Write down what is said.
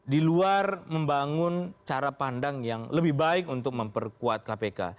di luar membangun cara pandang yang lebih baik untuk memperkuat kpk